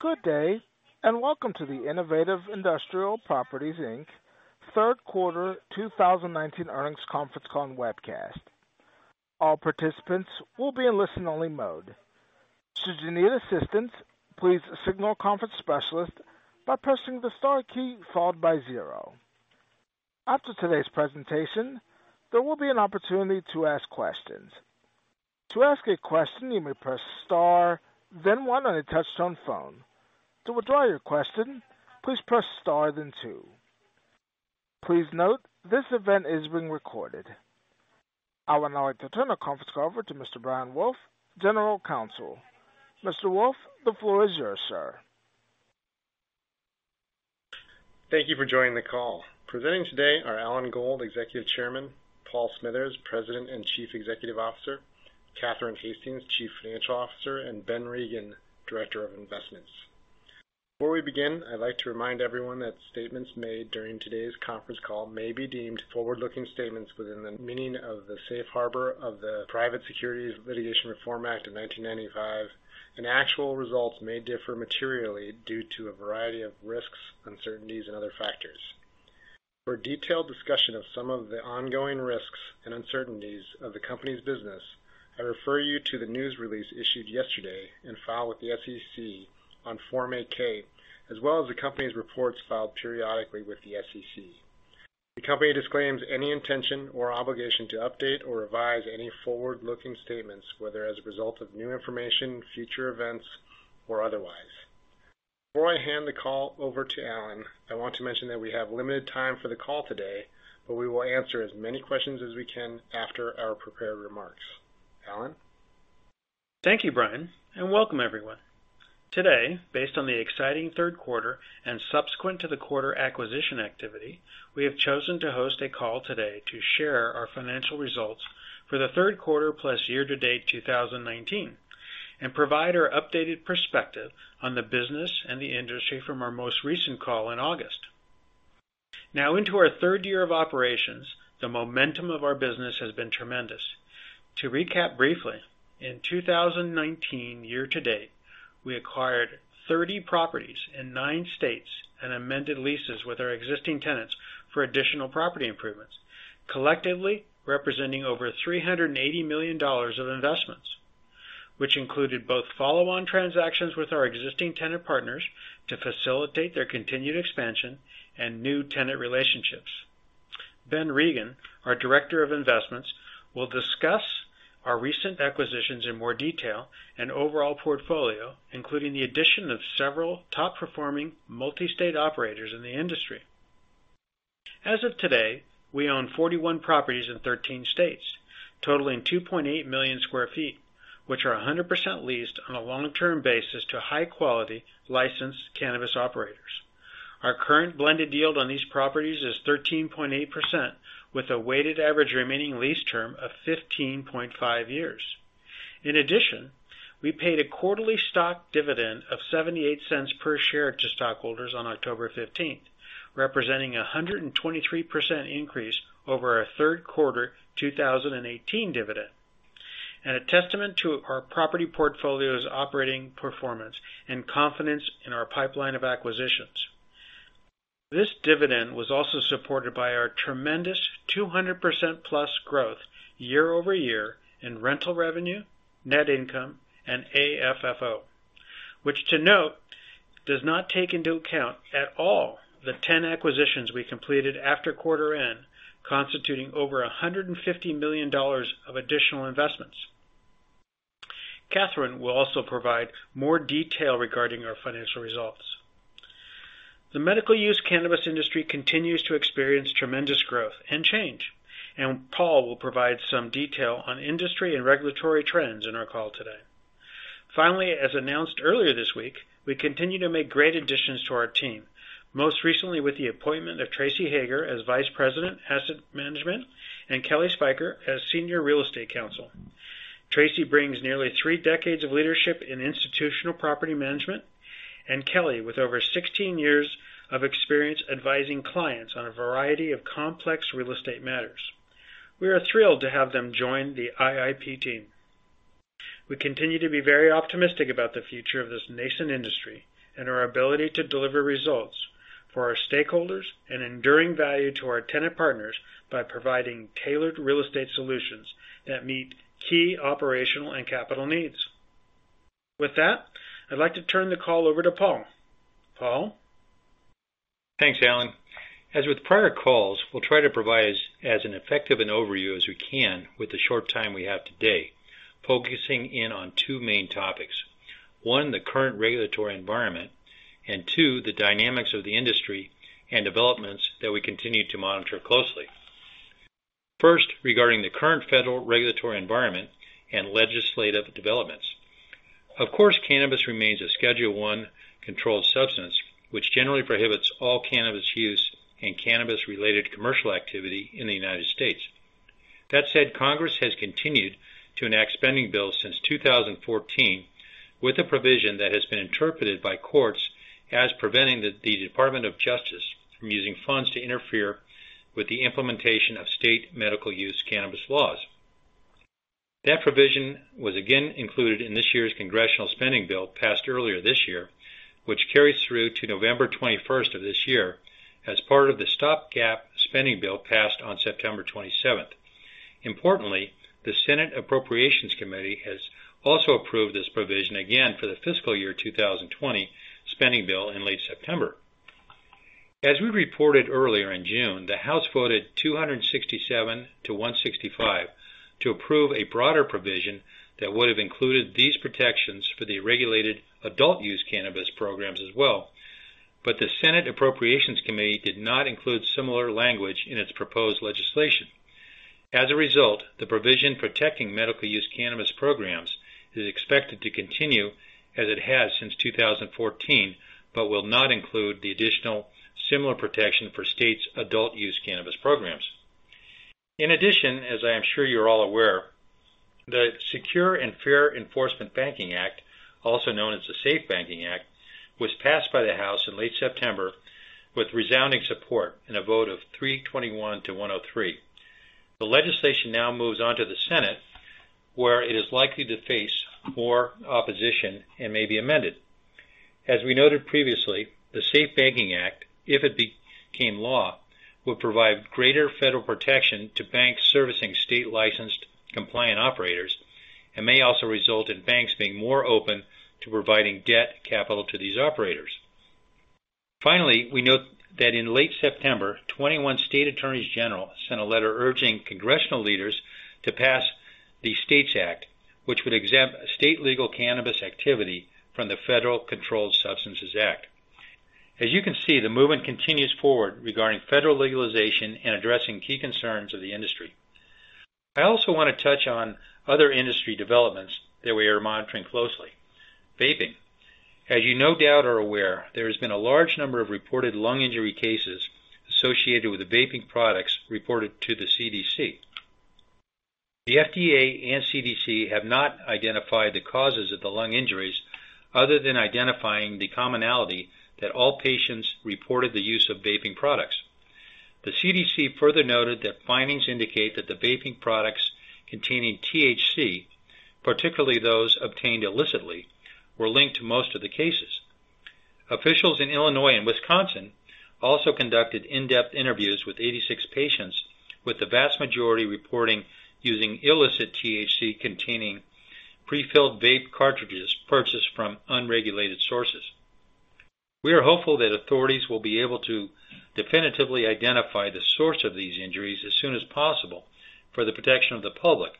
Good day, welcome to the Innovative Industrial Properties Inc. third quarter 2019 earnings conference call and webcast. All participants will be in listen only mode. Should you need assistance, please signal a conference specialist by pressing the star key followed by zero. After today's presentation, there will be an opportunity to ask questions. To ask a question, you may press star, then one on a touch-tone phone. To withdraw your question, please press star, then two. Please note, this event is being recorded. I would now like to turn the conference call over to Mr. Brian Wolfe, General Counsel. Mr. Wolfe, the floor is yours, sir. Thank you for joining the call. Presenting today are Alan Gold, Executive Chairman, Paul Smithers, President and Chief Executive Officer, Catherine Hastings, Chief Financial Officer, and Ben Regin, Director of Investments. Before we begin, I'd like to remind everyone that statements made during today's conference call may be deemed forward-looking statements within the meaning of the safe harbor of the Private Securities Litigation Reform Act of 1995. Actual results may differ materially due to a variety of risks, uncertainties, and other factors. For a detailed discussion of some of the ongoing risks and uncertainties of the company's business, I refer you to the news release issued yesterday and filed with the SEC on Form 8-K, as well as the company's reports filed periodically with the SEC. The company disclaims any intention or obligation to update or revise any forward-looking statements, whether as a result of new information, future events, or otherwise. Before I hand the call over to Alan, I want to mention that we have limited time for the call today, but we will answer as many questions as we can after our prepared remarks. Alan? Thank you, Brian, and welcome everyone. Today, based on the exciting third quarter and subsequent to the quarter acquisition activity, we have chosen to host a call today to share our financial results for the third quarter, plus year-to-date 2019, and provide our updated perspective on the business and the industry from our most recent call in August. Now into our third year of operations, the momentum of our business has been tremendous. To recap briefly, in 2019, year-to-date, we acquired 30 properties in nine states and amended leases with our existing tenants for additional property improvements, collectively representing over $380 million of investments, which included both follow-on transactions with our existing tenant partners to facilitate their continued expansion and new tenant relationships. Ben Regin, our Director of Investments, will discuss our recent acquisitions in more detail and overall portfolio, including the addition of several top-performing Multi-State Operators in the industry. As of today, we own 41 properties in 13 states, totaling 2.8 million square feet, which are 100% leased on a long-term basis to high-quality licensed cannabis operators. Our current blended yield on these properties is 13.8%, with a weighted average remaining lease term of 15.5 years. In addition, we paid a quarterly stock dividend of $0.78 per share to stockholders on October 15th, representing 123% increase over our third quarter 2018 dividend, and a testament to our property portfolio's operating performance and confidence in our pipeline of acquisitions. This dividend was also supported by our tremendous 200%+ growth year-over-year in rental revenue, net income, and AFFO. Which to note, does not take into account at all the 10 acquisitions we completed after quarter end, constituting over $150 million of additional investments. Catherine will also provide more detail regarding our financial results. The medical use cannabis industry continues to experience tremendous growth and change. Paul will provide some detail on industry and regulatory trends in our call today. As announced earlier this week, we continue to make great additions to our team. Most recently with the appointment of Tracie Hager as Vice President, Asset Management, and Kelly Spicher as Senior Real Estate Counsel. Tracy brings nearly 3 decades of leadership in institutional property management, and Kelly with over 16 years of experience advising clients on a variety of complex real estate matters. We are thrilled to have them join the IIP team. We continue to be very optimistic about the future of this nascent industry and our ability to deliver results for our stakeholders and enduring value to our tenant partners by providing tailored real estate solutions that meet key operational and capital needs. With that, I'd like to turn the call over to Paul. Paul? Thanks, Alan. As with prior calls, we'll try to provide as an effective an overview as we can with the short time we have today, focusing in on two main topics. One, the current regulatory environment, two, the dynamics of the industry and developments that we continue to monitor closely. First, regarding the current federal regulatory environment and legislative developments. Of course, cannabis remains a Schedule One controlled substance, which generally prohibits all cannabis use and cannabis-related commercial activity in the United States. That said, Congress has continued to enact spending bills since 2014 with a provision that has been interpreted by courts As preventing the Department of Justice from using funds to interfere with the implementation of state medical use cannabis laws. That provision was again included in this year's congressional spending bill passed earlier this year, which carries through to November 21st of this year as part of the stopgap spending bill passed on September 27th. Importantly, the Senate Appropriations Committee has also approved this provision again for the fiscal year 2020 spending bill in late September. As we reported earlier in June, the House voted 267 to 165 to approve a broader provision that would have included these protections for the regulated adult use cannabis programs as well. The Senate Appropriations Committee did not include similar language in its proposed legislation. As a result, the provision protecting medical use cannabis programs is expected to continue as it has since 2014, will not include the additional similar protection for states' adult use cannabis programs. In addition, as I am sure you're all aware, the Secure and Fair Enforcement Banking Act, also known as the SAFE Banking Act, was passed by the House in late September with resounding support in a vote of 321 to 103. The legislation now moves on to the Senate, where it is likely to face more opposition and may be amended. As we noted previously, the SAFE Banking Act, if it became law, would provide greater federal protection to banks servicing state licensed compliant operators, may also result in banks being more open to providing debt capital to these operators. Finally, we note that in late September, 21 state attorneys general sent a letter urging congressional leaders to pass the STATES Act, which would exempt state legal cannabis activity from the Federal Controlled Substances Act. As you can see, the movement continues forward regarding federal legalization and addressing key concerns of the industry. I also want to touch on other industry developments that we are monitoring closely. Vaping. As you no doubt are aware, there has been a large number of reported lung injury cases associated with vaping products reported to the CDC. The FDA and CDC have not identified the causes of the lung injuries other than identifying the commonality that all patients reported the use of vaping products. The CDC further noted that findings indicate that the vaping products containing THC, particularly those obtained illicitly, were linked to most of the cases. Officials in Illinois and Wisconsin also conducted in-depth interviews with 86 patients, with the vast majority reporting using illicit THC containing pre-filled vape cartridges purchased from unregulated sources. We are hopeful that authorities will be able to definitively identify the source of these injuries as soon as possible for the protection of the public,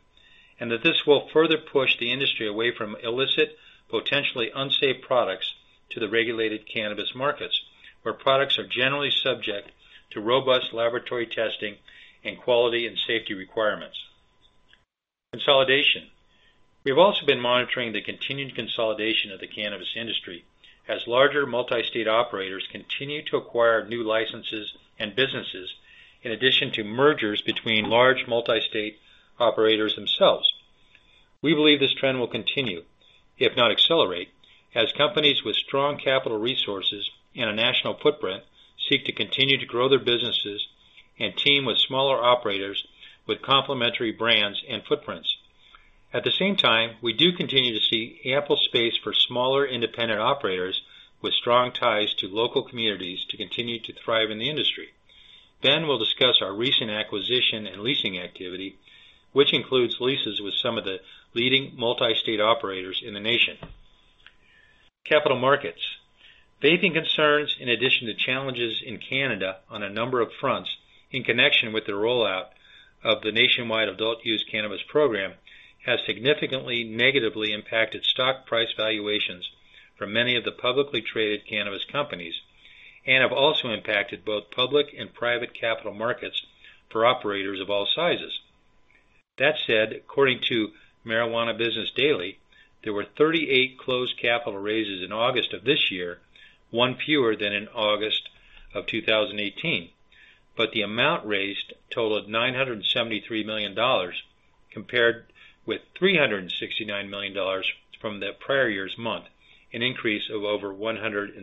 and that this will further push the industry away from illicit, potentially unsafe products to the regulated cannabis markets, where products are generally subject to robust laboratory testing and quality and safety requirements. Consolidation. We have also been monitoring the continued consolidation of the cannabis industry as larger multi-state operators continue to acquire new licenses and businesses, in addition to mergers between large multi-state operators themselves. We believe this trend will continue, if not accelerate, as companies with strong capital resources and a national footprint seek to continue to grow their businesses and team with smaller operators with complementary brands and footprints. At the same time, we do continue to see ample space for smaller, independent operators with strong ties to local communities to continue to thrive in the industry. Ben will discuss our recent acquisition and leasing activity, which includes leases with some of the leading multi-state operators in the nation. Capital markets. Vaping concerns, in addition to challenges in Canada on a number of fronts in connection with the rollout of the nationwide adult use cannabis program, has significantly negatively impacted stock price valuations for many of the publicly traded cannabis companies and have also impacted both public and private capital markets for operators of all sizes. That said, according to Marijuana Business Daily, there were 38 closed capital raises in August of this year, one fewer than in August of 2018. The amount raised totaled $973 million, compared with $369 million from the prior year's month, an increase of over 160%.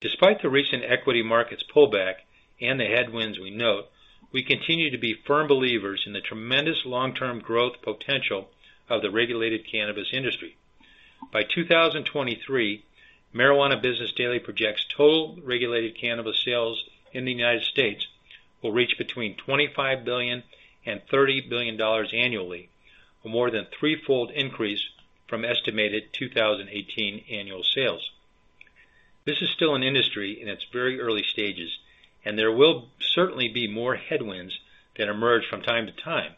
Despite the recent equity markets pullback and the headwinds we note, we continue to be firm believers in the tremendous long-term growth potential of the regulated cannabis industry. By 2023, Marijuana Business Daily projects total regulated cannabis sales in the U.S. will reach between $25 billion and $30 billion annually, or more than a threefold increase from estimated 2018 annual sales. This is still an industry in its very early stages, and there will certainly be more headwinds that emerge from time to time.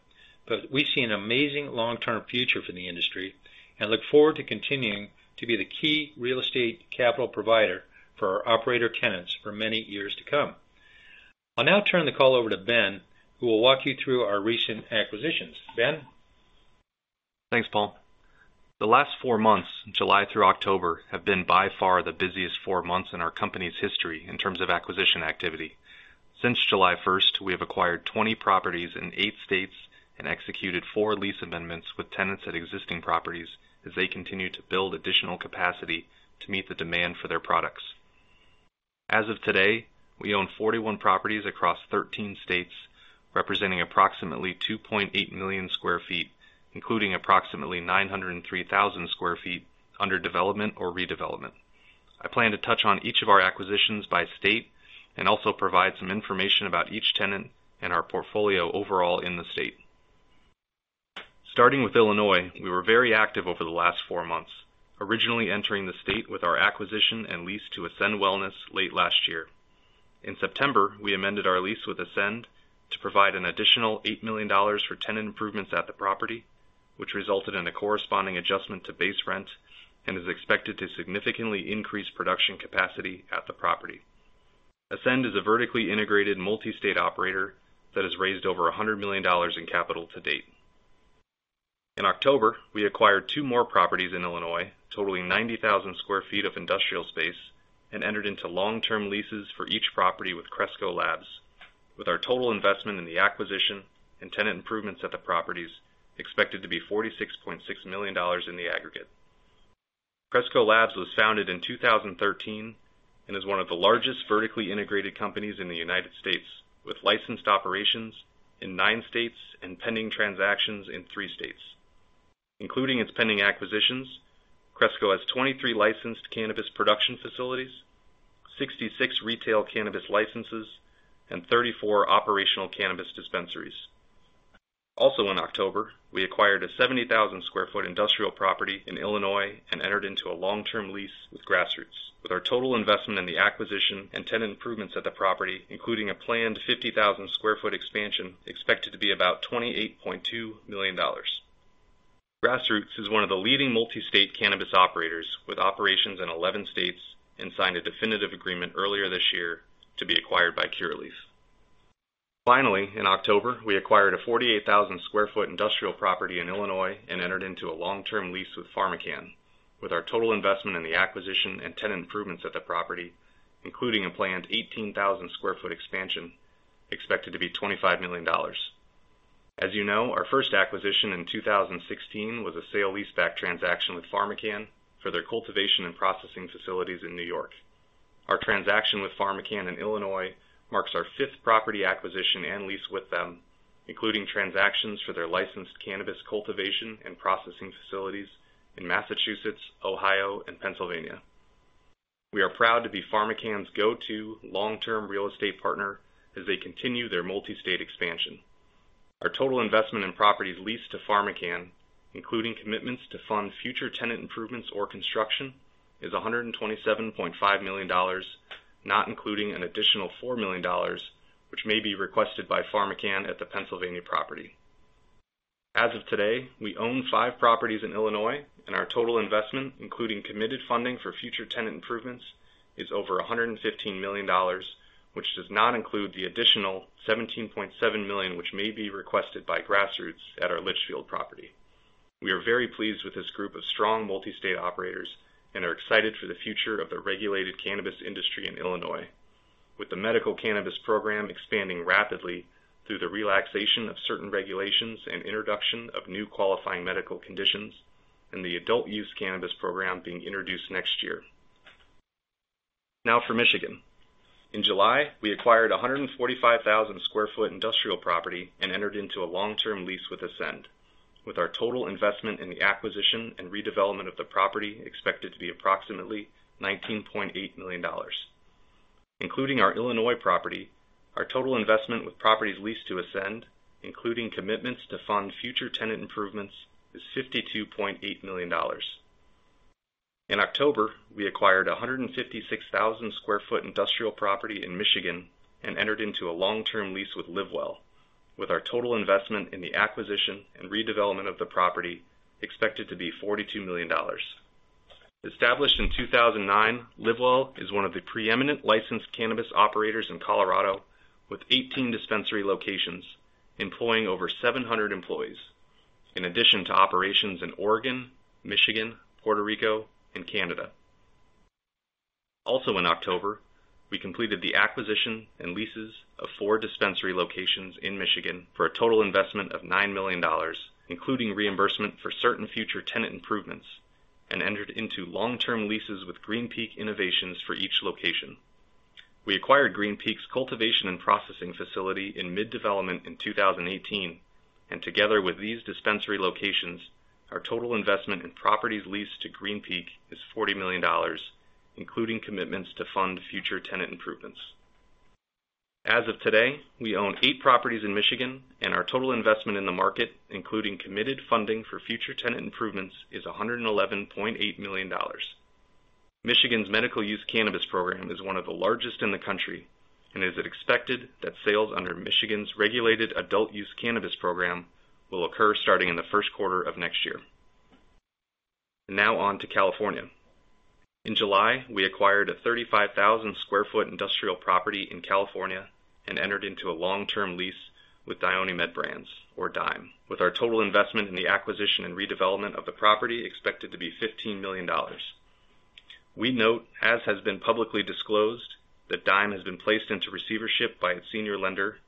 We see an amazing long-term future for the industry and look forward to continuing to be the key real estate capital provider for our operator tenants for many years to come. I'll now turn the call over to Ben, who will walk you through our recent acquisitions. Ben? Thanks, Paul. The last four months, July through October, have been by far the busiest four months in our company's history in terms of acquisition activity. Since July 1st, we have acquired 20 properties in eight states and executed four lease amendments with tenants at existing properties as they continue to build additional capacity to meet the demand for their products. As of today, we own 41 properties across 13 states, representing approximately 2.8 million sq ft, including approximately 903,000 sq ft under development or redevelopment. I plan to touch on each of our acquisitions by state and also provide some information about each tenant and our portfolio overall in the state. Starting with Illinois, we were very active over the last four months, originally entering the state with our acquisition and lease to Ascend Wellness late last year. In September, we amended our lease with Ascend to provide an additional $8 million for tenant improvements at the property, which resulted in a corresponding adjustment to base rent and is expected to significantly increase production capacity at the property. Ascend is a vertically integrated multi-state operator that has raised over $100 million in capital to date. In October, we acquired two more properties in Illinois, totaling 90,000 sq ft of industrial space, and entered into long-term leases for each property with Cresco Labs, with our total investment in the acquisition and tenant improvements at the properties expected to be $46.6 million in the aggregate. Cresco Labs was founded in 2013 and is one of the largest vertically integrated companies in the United States, with licensed operations in nine states and pending transactions in three states. Including its pending acquisitions, Cresco has 23 licensed cannabis production facilities, 66 retail cannabis licenses, and 34 operational cannabis dispensaries. Also in October, we acquired a 70,000 sq ft industrial property in Illinois and entered into a long-term lease with Grassroots, with our total investment in the acquisition and tenant improvements at the property, including a planned 50,000 sq ft expansion, expected to be about $28.2 million. Grassroots is one of the leading multi-state cannabis operators with operations in 11 states and signed a definitive agreement earlier this year to be acquired by Curaleaf. Finally, in October, we acquired a 48,000 sq ft industrial property in Illinois and entered into a long-term lease with PharmaCann, with our total investment in the acquisition and tenant improvements at the property, including a planned 18,000 sq ft expansion, expected to be $25 million. As you know, our first acquisition in 2016 was a sale leaseback transaction with PharmaCann for their cultivation and processing facilities in New York. Our transaction with PharmaCann in Illinois marks our fifth property acquisition and lease with them, including transactions for their licensed cannabis cultivation and processing facilities in Massachusetts, Ohio, and Pennsylvania. We are proud to be PharmaCann's go-to long-term real estate partner as they continue their multi-state expansion. Our total investment in properties leased to PharmaCann, including commitments to fund future tenant improvements or construction, is $127.5 million, not including an additional $4 million, which may be requested by PharmaCann at the Pennsylvania property. As of today, we own five properties in Illinois, and our total investment, including committed funding for future tenant improvements, is over $115 million, which does not include the additional $17.7 million, which may be requested by Grassroots at our Litchfield property. We are very pleased with this group of strong multi-state operators and are excited for the future of the regulated cannabis industry in Illinois. With the medical cannabis program expanding rapidly through the relaxation of certain regulations and introduction of new qualifying medical conditions and the adult use cannabis program being introduced next year. Now for Michigan. In July, we acquired 145,000 sq ft industrial property and entered into a long-term lease with Ascend, with our total investment in the acquisition and redevelopment of the property expected to be approximately $19.8 million. Including our Illinois property, our total investment with properties leased to Ascend, including commitments to fund future tenant improvements, is $52.8 million. In October, we acquired 156,000 sq ft industrial property in Michigan and entered into a long-term lease with LivWell, with our total investment in the acquisition and redevelopment of the property expected to be $42 million. Established in 2009, LivWell is one of the preeminent licensed cannabis operators in Colorado with 18 dispensary locations employing over 700 employees. In addition to operations in Oregon, Michigan, Puerto Rico, and Canada. Also in October, we completed the acquisition and leases of four dispensary locations in Michigan for a total investment of $9 million, including reimbursement for certain future tenant improvements, and entered into long-term leases with Green Peak Innovations for each location. We acquired Green Peak's cultivation and processing facility in mid-development in 2018, and together with these dispensary locations, our total investment in properties leased to Green Peak is $40 million, including commitments to fund future tenant improvements. As of today, we own eight properties in Michigan, and our total investment in the market, including committed funding for future tenant improvements, is $111.8 million. Michigan's medical use cannabis program is one of the largest in the country and is expected that sales under Michigan's regulated adult use cannabis program will occur starting in the first quarter of next year. Now on to California. In July, we acquired a 35,000 square foot industrial property in California and entered into a long-term lease with DionyMed Brands, or Dime, with our total investment in the acquisition and redevelopment of the property expected to be $15 million. We note, as has been publicly disclosed, that Dime has been placed into receivership by its senior lender,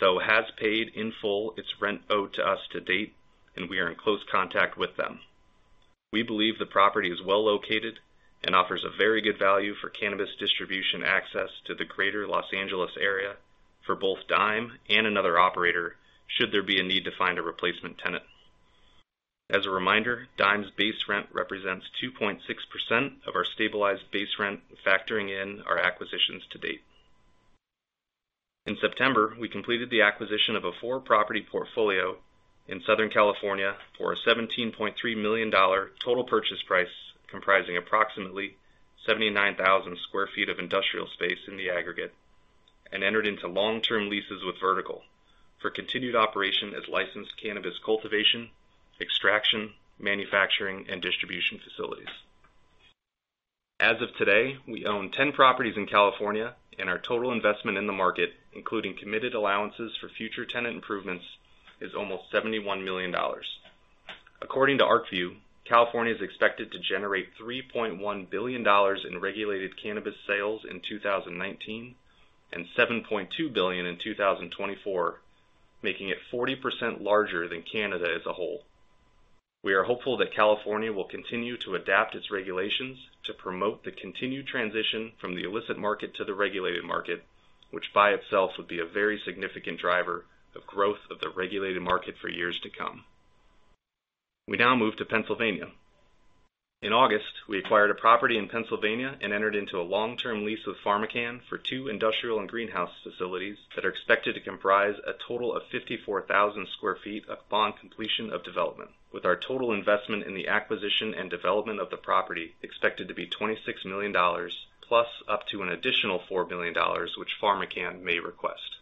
though has paid in full its rent owed to us to date, and we are in close contact with them. We believe the property is well-located and offers a very good value for cannabis distribution access to the greater Los Angeles area for both Dime and another operator, should there be a need to find a replacement tenant. As a reminder, Dime's base rent represents 2.6% of our stabilized base rent, factoring in our acquisitions to date. In September, we completed the acquisition of a four-property portfolio in Southern California for a $17.3 million total purchase price, comprising approximately 79,000 sq ft of industrial space in the aggregate, and entered into long-term leases with Vertical for continued operation as licensed cannabis cultivation, extraction, manufacturing, and distribution facilities. As of today, we own 10 properties in California, and our total investment in the market, including committed allowances for future tenant improvements, is almost $71 million. According to Arcview, California is expected to generate $3.1 billion in regulated cannabis sales in 2019, and $7.2 billion in 2024, making it 40% larger than Canada as a whole. We are hopeful that California will continue to adapt its regulations to promote the continued transition from the illicit market to the regulated market, which by itself would be a very significant driver of growth of the regulated market for years to come. We now move to Pennsylvania. In August, we acquired a property in Pennsylvania and entered into a long-term lease with PharmaCann for two industrial and greenhouse facilities that are expected to comprise a total of 54,000 sq ft upon completion of development, with our total investment in the acquisition and development of the property expected to be $26 million, plus up to an additional $4 million, which PharmaCann may request.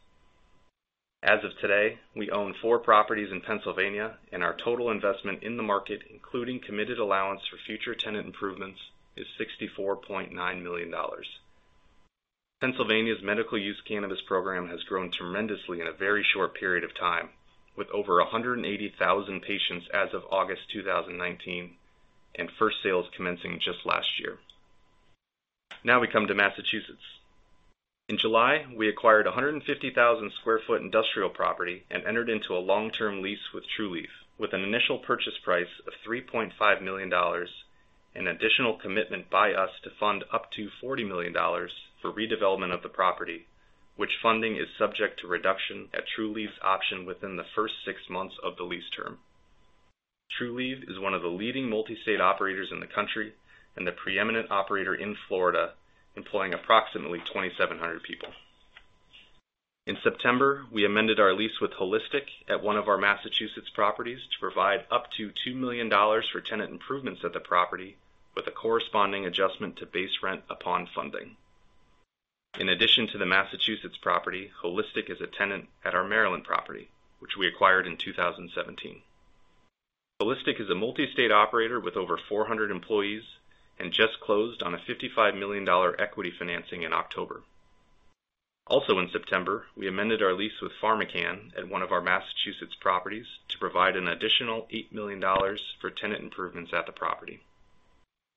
As of today, we own four properties in Pennsylvania, and our total investment in the market, including committed allowance for future tenant improvements, is $64.9 million. Pennsylvania's medical use cannabis program has grown tremendously in a very short period of time, with over 180,000 patients as of August 2019, and first sales commencing just last year. We come to Massachusetts. In July, we acquired 150,000 sq ft industrial property and entered into a long-term lease with Trulieve, with an initial purchase price of $3.5 million, an additional commitment by us to fund up to $40 million for redevelopment of the property, which funding is subject to reduction at Trulieve's option within the first six months of the lease term. Trulieve is one of the leading multi-state operators in the country and the preeminent operator in Florida, employing approximately 2,700 people. In September, we amended our lease with Holistic at one of our Massachusetts properties to provide up to $2 million for tenant improvements at the property, with a corresponding adjustment to base rent upon funding. In addition to the Massachusetts property, Holistic is a tenant at our Maryland property, which we acquired in 2017. Holistic is a multi-state operator with over 400 employees and just closed on a $55 million equity financing in October. Also in September, we amended our lease with PharmaCann at one of our Massachusetts properties to provide an additional $8 million for tenant improvements at the property.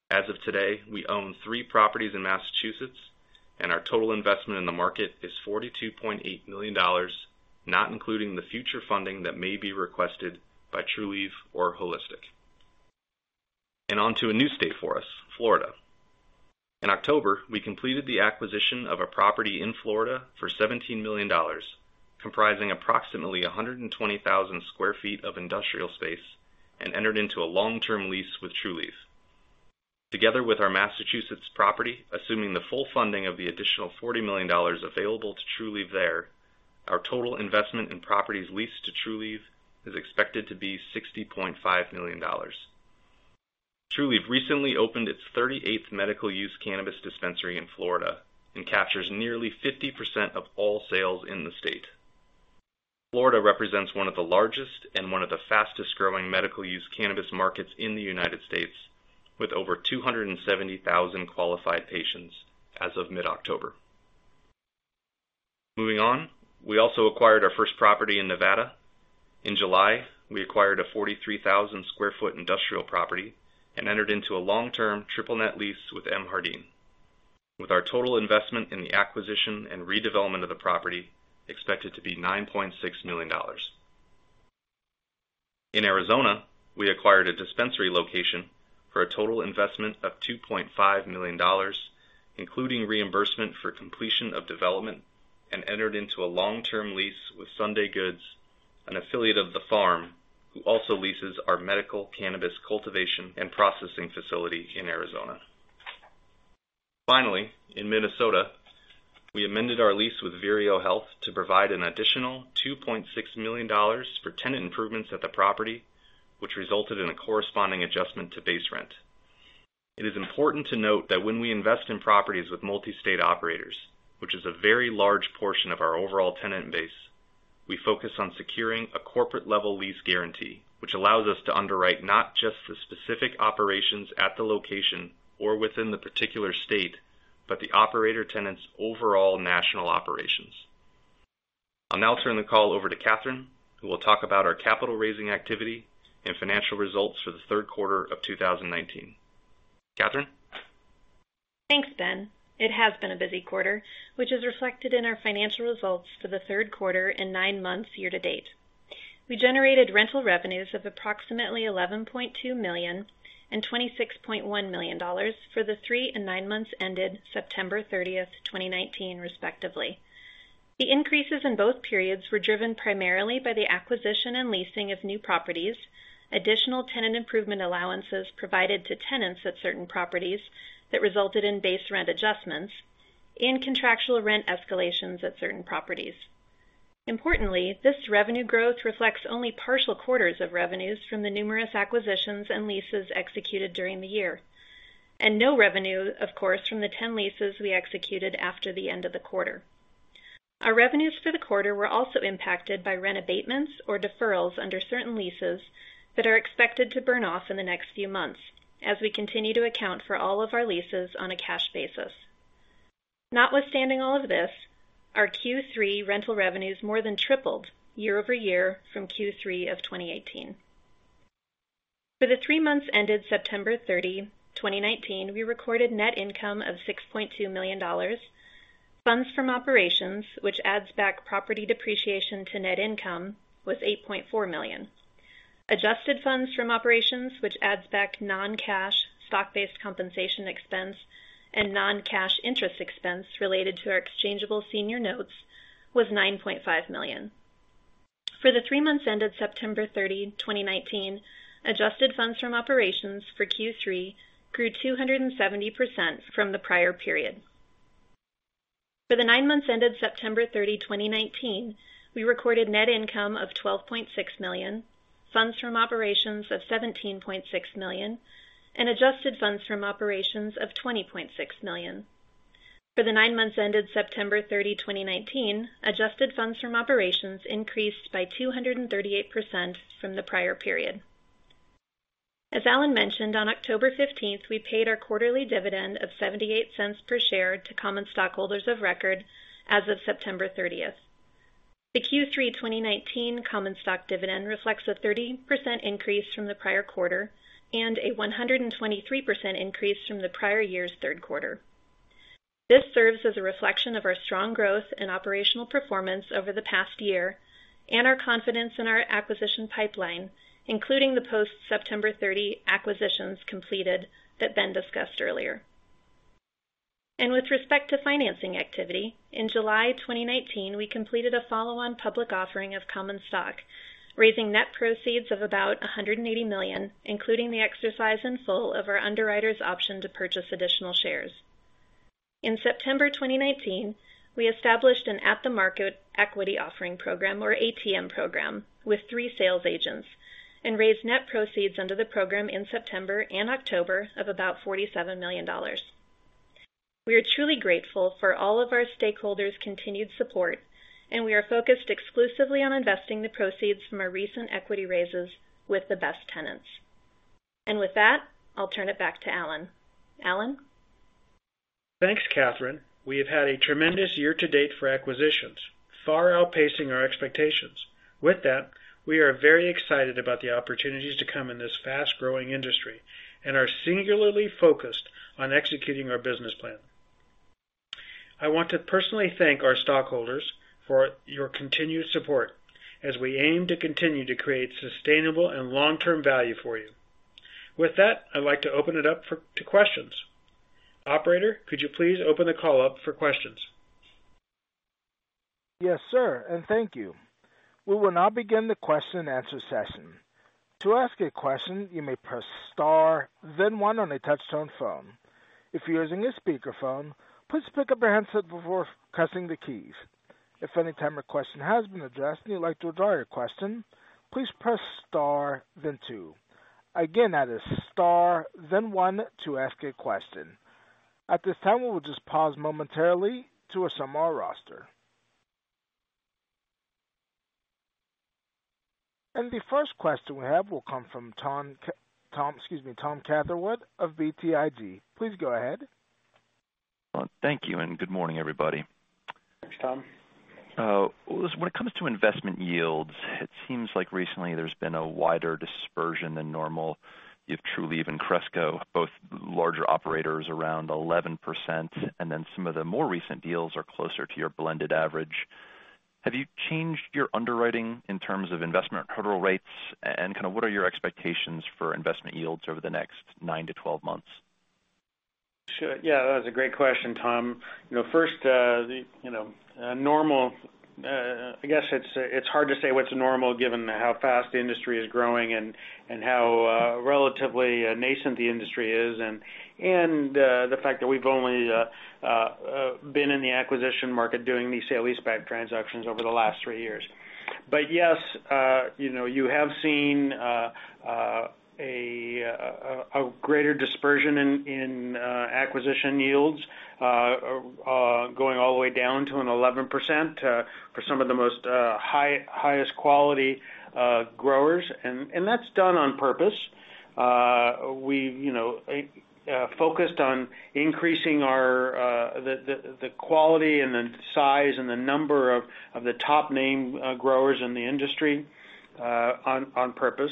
As of today, we own three properties in Massachusetts, and our total investment in the market is $42.8 million, not including the future funding that may be requested by Trulieve or Holistic. On to a new state for us, Florida. In October, we completed the acquisition of a property in Florida for $17 million, comprising approximately 120,000 sq ft of industrial space, and entered into a long-term lease with Trulieve. Together with our Massachusetts property, assuming the full funding of the additional $40 million available to Trulieve there, our total investment in properties leased to Trulieve is expected to be $60.5 million. Trulieve recently opened its 38th medical use cannabis dispensary in Florida and captures nearly 50% of all sales in the state. Florida represents one of the largest and one of the fastest-growing medical use cannabis markets in the U.S., with over 270,000 qualified patients as of mid-October. Moving on, we also acquired our first property in Nevada. In July, we acquired a 43,000 sq ft industrial property and entered into a long-term triple-net lease with M. Hardeen, with our total investment in the acquisition and redevelopment of the property expected to be $9.6 million. In Arizona, we acquired a dispensary location for a total investment of $2.5 million, including reimbursement for completion of development, and entered into a long-term lease with Sunday Goods, an affiliate of The Pharm, who also leases our medical cannabis cultivation and processing facility in Arizona. Finally in Minnesota, we amended our lease with Vireo Health to provide an additional $2.6 million for tenant improvements at the property, which resulted in a corresponding adjustment to base rent. It is important to note that when we invest in properties with multi-state operators, which is a very large portion of our overall tenant base, we focus on securing a corporate-level lease guarantee, which allows us to underwrite not just the specific operations at the location or within the particular state, but the operator tenant's overall national operations. I'll now turn the call over to Catherine, who will talk about our capital raising activity and financial results for the third quarter of 2019. Catherine? Thanks, Ben. It has been a busy quarter, which is reflected in our financial results for the third quarter and nine months year-to-date. We generated rental revenues of approximately $11.2 million and $26.1 million for the three and nine months ended September 30th, 2019, respectively. The increases in both periods were driven primarily by the acquisition and leasing of new properties, additional tenant improvement allowances provided to tenants at certain properties that resulted in base rent adjustments, and contractual rent escalations at certain properties. Importantly, this revenue growth reflects only partial quarters of revenues from the numerous acquisitions and leases executed during the year. No revenue, of course, from the 10 leases we executed after the end of the quarter. Our revenues for the quarter were also impacted by rent abatements or deferrals under certain leases that are expected to burn off in the next few months, as we continue to account for all of our leases on a cash basis. Notwithstanding all of this, our Q3 rental revenues more than tripled year-over-year from Q3 of 2018. For the three months ended September 30, 2019, we recorded net income of $6.2 million. Funds from operations, which adds back property depreciation to net income, was $8.4 million. Adjusted funds from operations, which adds back non-cash stock-based compensation expense and non-cash interest expense related to our exchangeable senior notes, was $9.5 million. For the three months ended September 30, 2019, adjusted funds from operations for Q3 grew 270% from the prior period. For the nine months ended September 30, 2019, we recorded net income of $12.6 million, funds from operations of $17.6 million, and adjusted funds from operations of $20.6 million. For the nine months ended September 30, 2019, adjusted funds from operations increased by 238% from the prior period. As Alan mentioned, on October 15th, we paid our quarterly dividend of $0.78 per share to common stockholders of record as of September 30th. The Q3 2019 common stock dividend reflects a 30% increase from the prior quarter and a 123% increase from the prior year's third quarter. This serves as a reflection of our strong growth and operational performance over the past year and our confidence in our acquisition pipeline, including the post September 30 acquisitions completed that Ben discussed earlier. With respect to financing activity, in July 2019, we completed a follow-on public offering of common stock, raising net proceeds of about $180 million, including the exercise and full of our underwriter's option to purchase additional shares. In September 2019, we established an at-the-market equity offering program or ATM program with three sales agents and raised net proceeds under the program in September and October of about $47 million. We are truly grateful for all of our stakeholders' continued support, and we are focused exclusively on investing the proceeds from our recent equity raises with the best tenants. With that, I'll turn it back to Alan. Alan? Thanks, Catherine. We have had a tremendous year-to-date for acquisitions, far outpacing our expectations. With that, we are very excited about the opportunities to come in this fast-growing industry and are singularly focused on executing our business plan. I want to personally thank our stockholders for your continued support as we aim to continue to create sustainable and long-term value for you. With that, I'd like to open it up to questions. Operator, could you please open the call up for questions? Yes, sir. Thank you. We will now begin the question and answer session. To ask a question, you may press star then one on a touch-tone phone. If you're using a speakerphone, please pick up your handset before pressing the keys. If any time your question has been addressed and you'd like to withdraw your question, please press star then two. Again, that is star then one to ask a question. At this time, we will just pause momentarily to assemble our roster. The first question we have will come from Tom Catherwood of BTIG. Please go ahead. Thank you. Good morning, everybody. Thanks, Tom. When it comes to investment yields, it seems like recently there's been a wider dispersion than normal. You have Trulieve and Cresco, both larger operators around 11%, and then some of the more recent deals are closer to your blended average. Have you changed your underwriting in terms of investment hurdle rates? What are your expectations for investment yields over the next nine to 12 months? Sure. Yeah, that was a great question, Tom. First, it's hard to say what's normal given how fast the industry is growing and how relatively nascent the industry is, and the fact that we've only been in the acquisition market doing these sale leaseback transactions over the last three years. Yes, you have seen a greater dispersion in acquisition yields, going all the way down to an 11% for some of the most highest quality growers. That's done on purpose. We focused on increasing the quality and the size and the number of the top name growers in the industry, on purpose.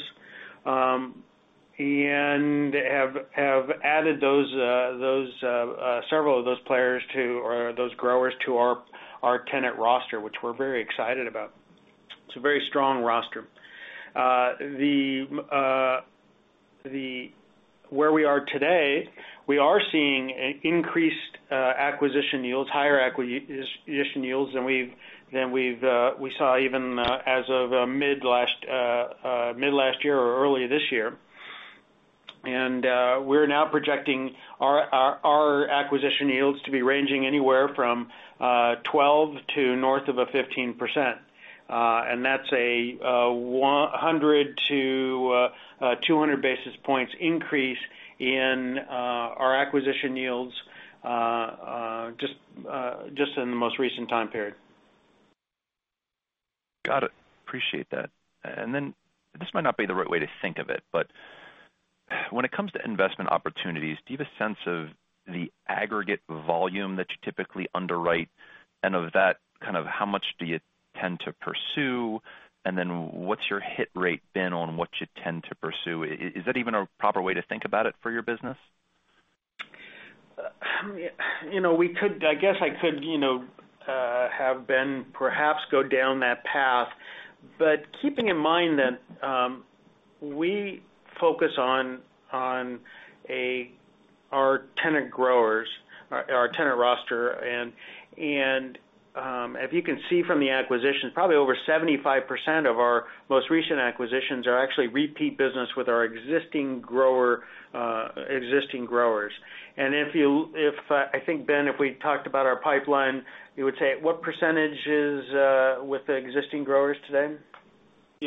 Have added several of those players or those growers to our tenant roster, which we're very excited about. It's a very strong roster. Where we are today, we are seeing increased acquisition yields, higher acquisition yields than we saw even as of mid last year or early this year. We're now projecting our acquisition yields to be ranging anywhere from 12% to north of a 15%. That's a 100 to 200 basis points increase in our acquisition yields just in the most recent time period. Got it. Appreciate that. This might not be the right way to think of it, but when it comes to investment opportunities, do you have a sense of the aggregate volume that you typically underwrite? Of that, how much do you tend to pursue? What's your hit rate been on what you tend to pursue? Is that even a proper way to think about it for your business? I guess I could perhaps go down that path, but keeping in mind that we focus on our tenant roster, and if you can see from the acquisition, probably over 75% of our most recent acquisitions are actually repeat business with our existing growers. I think, Ben, if we talked about our pipeline, you would say, what percentage is with the existing growers today?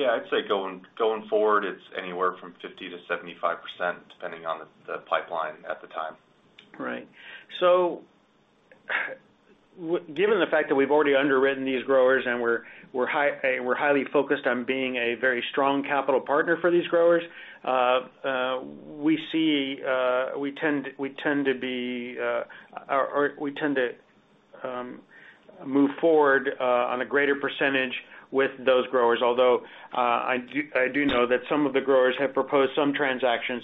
I'd say going forward, it's anywhere from 50%-75%, depending on the pipeline at the time. Right. Given the fact that we've already underwritten these growers and we're highly focused on being a very strong capital partner for these growers, we tend to move forward on a greater percentage with those growers. Although, I do know that some of the growers have proposed some transactions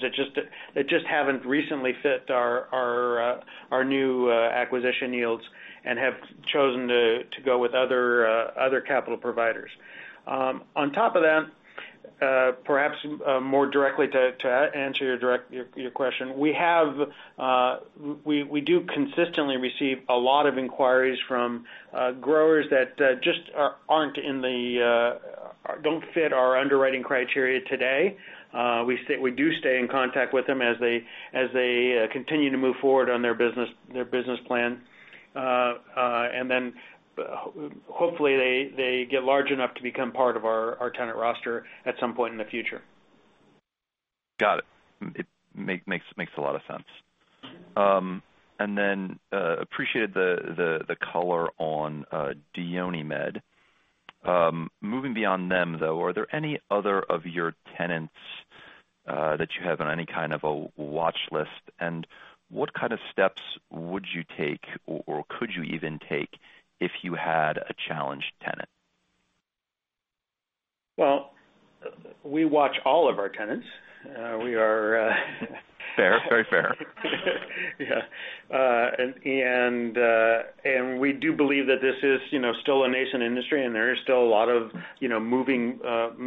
that just haven't recently fit our new acquisition yields and have chosen to go with other capital providers. On top of that, perhaps more directly to answer your question, we do consistently receive a lot of inquiries from growers that just don't fit our underwriting criteria today. We do stay in contact with them as they continue to move forward on their business plan. Hopefully they get large enough to become part of our tenant roster at some point in the future. Got it. It makes a lot of sense. Appreciated the color on DionyMed. Moving beyond them, though, are there any other of your tenants that you have on any kind of a watch list? What kind of steps would you take or could you even take if you had a challenged tenant? Well, we watch all of our tenants. Fair. Very fair. Yeah. We do believe that this is still a nascent industry, and there is still a lot of moving parts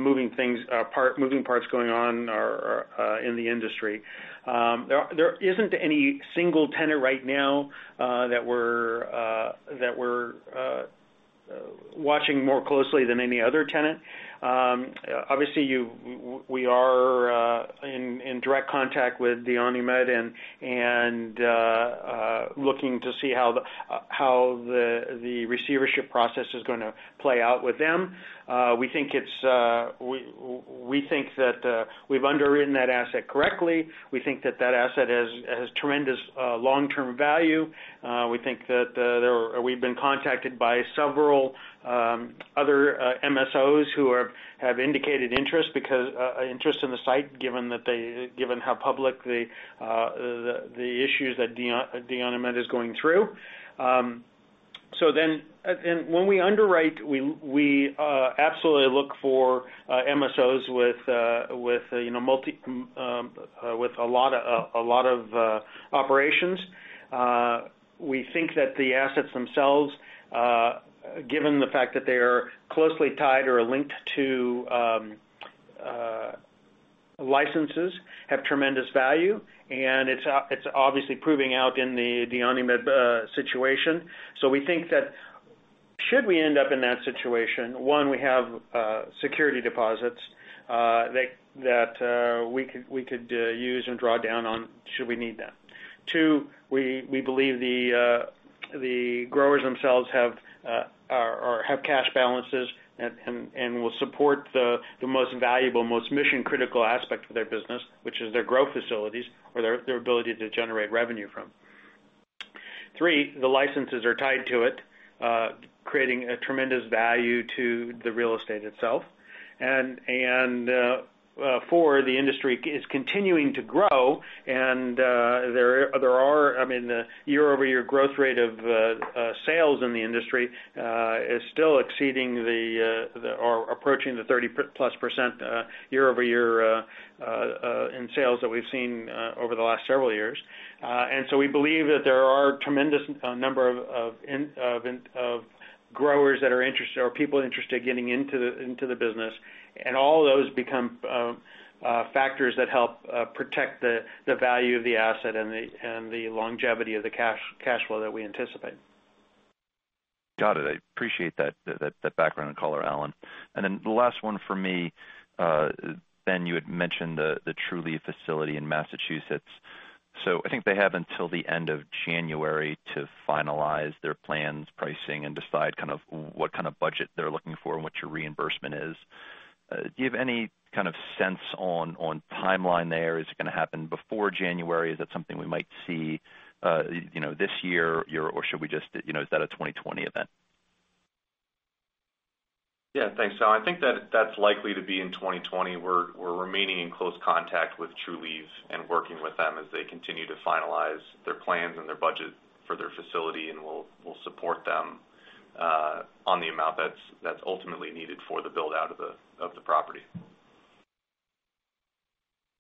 going on in the industry. There isn't any single tenant right now that we're watching more closely than any other tenant. Obviously, we are in direct contact with DionyMed and looking to see how the receivership process is going to play out with them. We think that we've underwritten that asset correctly. We think that that asset has tremendous long-term value. We've been contacted by several other MSOs who have indicated interest in the site given how public the issues that DionyMed is going through. When we underwrite, we absolutely look for MSOs with a lot of operations. We think that the assets themselves, given the fact that they are closely tied or linked to licenses, have tremendous value, and it's obviously proving out in the DionyMed situation. We think that should we end up in that situation. One, we have security deposits that we could use and draw down on should we need them. Two, we believe the growers themselves have cash balances and will support the most valuable, most mission-critical aspect of their business, which is their growth facilities or their ability to generate revenue from. Three, the licenses are tied to it, creating a tremendous value to the real estate itself. Four, the industry is continuing to grow, and the year-over-year growth rate of sales in the industry is still exceeding or approaching the 30+% year-over-year in sales that we've seen over the last several years. We believe that there are a tremendous number of growers that are interested, or people interested, getting into the business. All of those become factors that help protect the value of the asset and the longevity of the cash flow that we anticipate. Got it. I appreciate that background and color, Alan. The last one from me. Ben, you had mentioned the Trulieve facility in Massachusetts. I think they have until the end of January to finalize their plans, pricing, and decide what kind of budget they're looking for and what your reimbursement is. Do you have any sense on timeline there? Is it going to happen before January? Is that something we might see this year, or is that a 2020 event? Yeah. Thanks, Tom. I think that's likely to be in 2020. We're remaining in close contact with Trulieve and working with them as they continue to finalize their plans and their budget for their facility. We'll support them on the amount that's ultimately needed for the build-out of the property.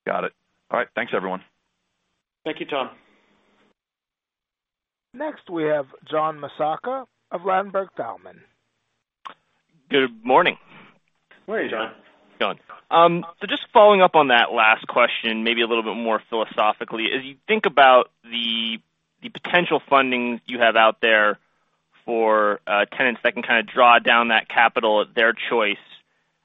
Got it. All right. Thanks, everyone. Thank you, Tom. Next, we have John Massocca of Ladenburg Thalmann. Good morning. Morning, John. John. Just following up on that last question, maybe a little bit more philosophically. As you think about the potential fundings you have out there for tenants that can draw down that capital at their choice,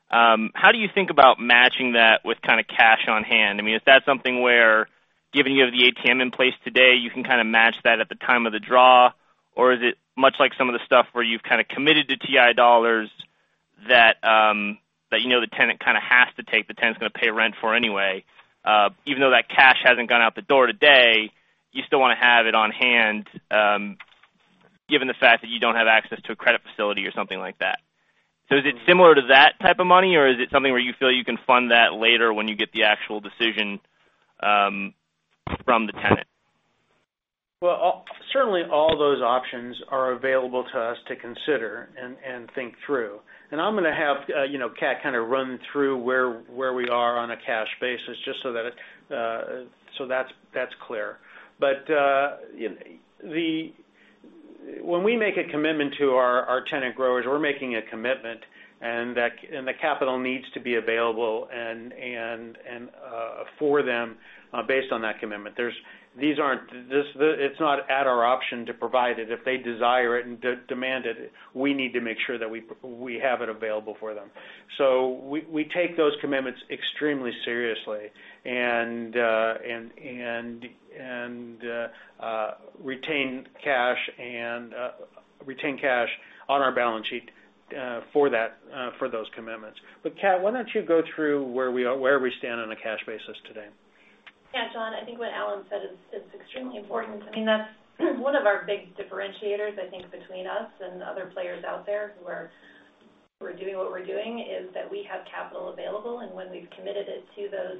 how do you think about matching that with cash on hand? Is that something where, given you have the ATM in place today, you can match that at the time of the draw? Or is it much like some of the stuff where you've committed to TI dollars that you know the tenant has to take, the tenant's going to pay rent for anyway, even though that cash hasn't gone out the door today, you still want to have it on hand, given the fact that you don't have access to a credit facility or something like that. Is it similar to that type of money, or is it something where you feel you can fund that later when you get the actual decision from the tenant? Certainly all those options are available to us to consider and think through. I'm going to have Kat run through where we are on a cash basis, just so that's clear. When we make a commitment to our tenant growers, we're making a commitment, and the capital needs to be available for them based on that commitment. It's not at our option to provide it. If they desire it and demand it, we need to make sure that we have it available for them. We take those commitments extremely seriously and retain cash on our balance sheet for those commitments. Kat, why don't you go through where we stand on a cash basis today? Yeah, John, I think what Alan said is extremely important. That's one of our big differentiators, I think, between us and other players out there who are doing what we're doing, is that we have capital available, and when we've committed it to those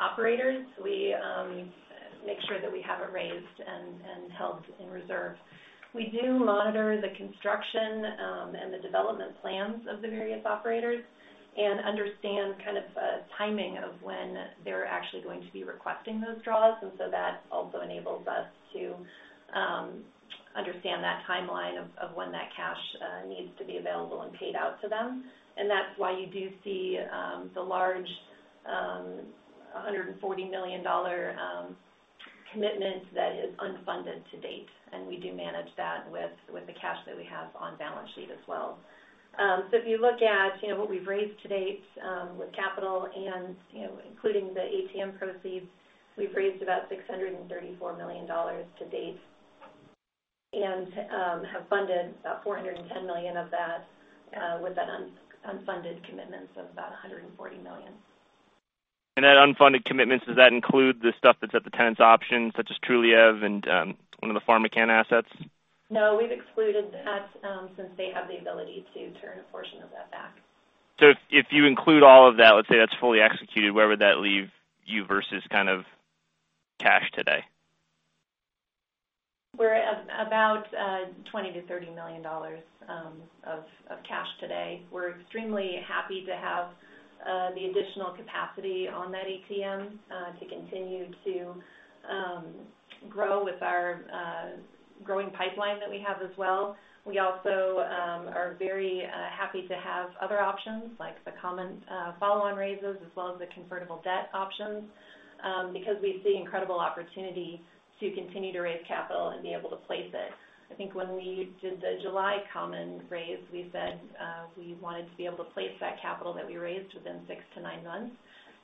operators, we make sure that we have it raised and held in reserve. We do monitor the construction and the development plans of the various operators and understand timing of when they're actually going to be requesting those draws. That also enables us to understand that timeline of when that cash needs to be available and paid out to them. That's why you do see the large $140 million commitment that is unfunded to date. We do manage that with the cash that we have on balance sheet as well. If you look at what we've raised to date with capital, including the ATM proceeds, we've raised about $634 million to date and have funded about $410 million of that, with that unfunded commitment of about $140 million. That unfunded commitment, does that include the stuff that's at the tenant's option, such as Trulieve and one of the PharmaCann assets? No, we've excluded that since they have the ability to turn a portion of that back. If you include all of that, let's say that's fully executed, where would that leave you versus cash today? We're at about $20 million-$30 million of cash today. We're extremely happy to have the additional capacity on that ATM to continue to grow with our growing pipeline that we have as well. We also are very happy to have other options, like the common follow-on raises as well as the convertible debt options, because we see incredible opportunity to continue to raise capital and be able to place it. I think when we did the July common raise, we said we wanted to be able to place that capital that we raised within 6-9 months.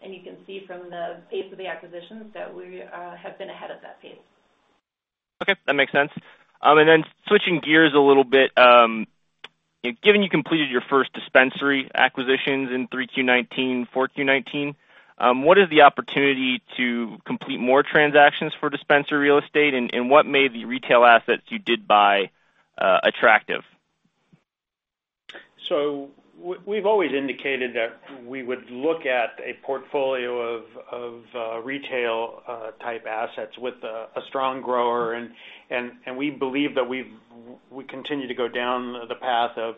You can see from the pace of the acquisitions that we have been ahead of that pace. Okay. That makes sense. Switching gears a little bit. Given you completed your first dispensary acquisitions in 3Q 2019, 4Q 2019, what is the opportunity to complete more transactions for dispensary real estate? What made the retail assets you did buy attractive? We've always indicated that we would look at a portfolio of retail type assets with a strong grower, and we believe that we continue to go down the path of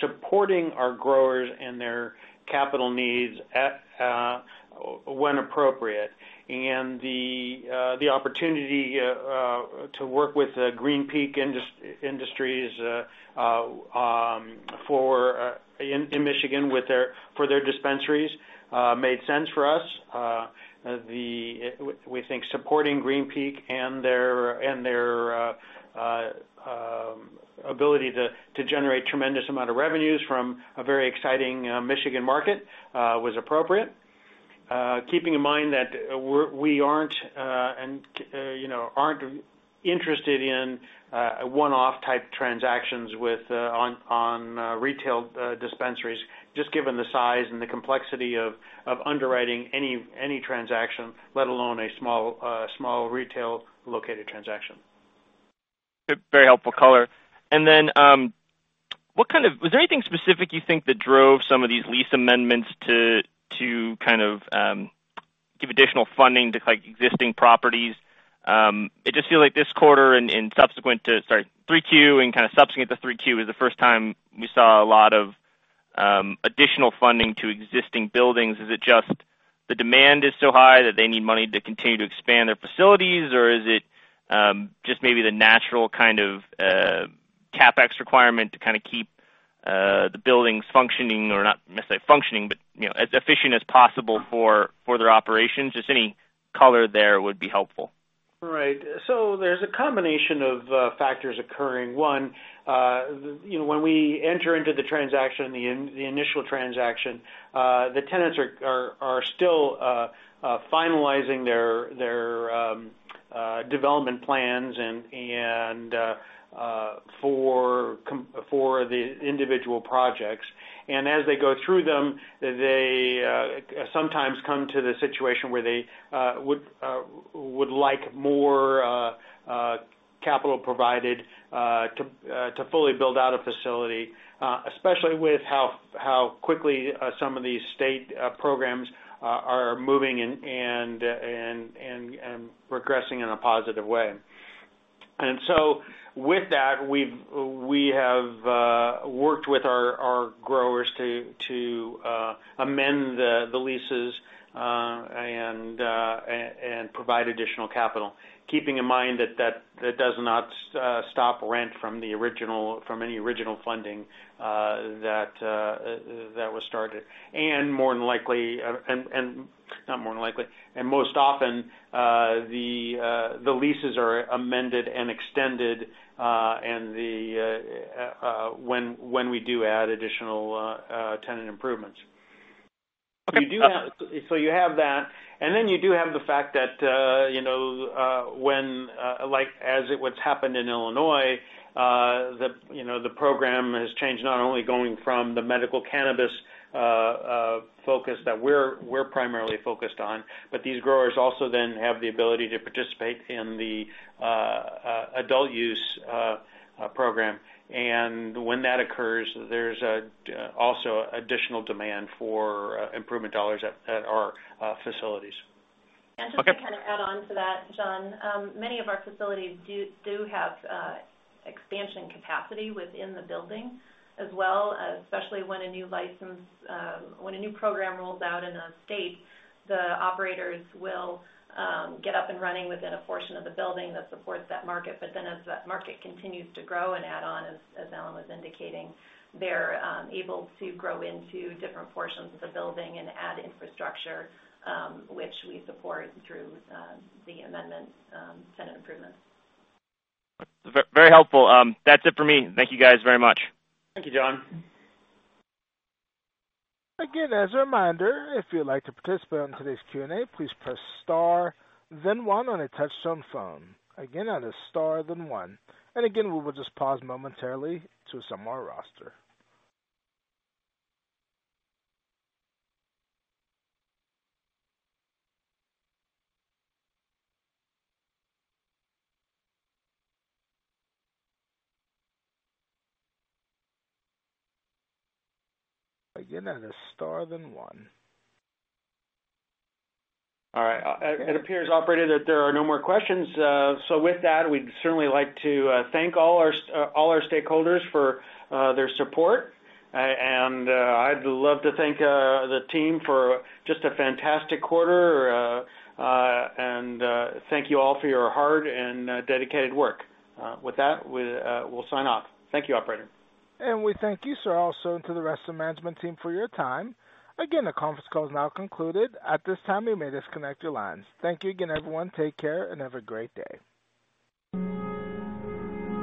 supporting our growers and their capital needs when appropriate. The opportunity to work with Green Peak Innovations in Michigan for their dispensaries made sense for us. We think supporting Green Peak and their ability to generate tremendous amount of revenues from a very exciting Michigan market was appropriate. Keeping in mind that we aren't interested in one-off type transactions on retail dispensaries, just given the size and the complexity of underwriting any transaction, let alone a small retail located transaction. Very helpful color. Then, was there anything specific you think that drove some of these lease amendments to give additional funding to existing properties? It just feels like this quarter and subsequent to 3Q and kind of subsequent to 3Q is the first time we saw a lot of additional funding to existing buildings. Is it just the demand is so high that they need money to continue to expand their facilities, or is it just maybe the natural kind of CapEx requirement to kind of keep the buildings functioning, or not necessarily functioning, but as efficient as possible for their operations? Just any color there would be helpful. Right. There's a combination of factors occurring. One, when we enter into the initial transaction, the tenants are still finalizing their development plans and for the individual projects. As they go through them, they sometimes come to the situation where they would like more capital provided to fully build out a facility, especially with how quickly some of these state programs are moving and progressing in a positive way. With that, we have worked with our growers to amend the leases and provide additional capital, keeping in mind that that does not stop rent from any original funding that was started. Most often, the leases are amended and extended when we do add additional tenant improvements. You have that, and then you do have the fact that, as what's happened in Illinois, the program has changed, not only going from the medical cannabis focus that we're primarily focused on, but these growers also then have the ability to participate in the adult use program. When that occurs, there's also additional demand for improvement dollars at our facilities. Okay. Just to kind of add on to that, John, many of our facilities do have expansion capacity within the building as well. Especially when a new program rolls out in a state, the operators will get up and running within a portion of the building that supports that market. As that market continues to grow and add on, as Alan was indicating, they're able to grow into different portions of the building and add infrastructure, which we support through the amendments, tenant improvements. Very helpful. That's it for me. Thank you guys very much. Thank you, John. Again, as a reminder, if you'd like to participate on today's Q&A, please press star then one on a touch-tone phone. Again, that is star then one. Again, we will just pause momentarily [to some more roster]. Again, that is star then one. All right. It appears, operator, that there are no more questions. With that, we'd certainly like to thank all our stakeholders for their support. I'd love to thank the team for just a fantastic quarter. Thank you all for your hard and dedicated work. With that, we'll sign off. Thank you, operator. We thank you, sir. Also to the rest of the management team for your time. Again, the conference call is now concluded. At this time, you may disconnect your lines. Thank you again, everyone. Take care and have a great day.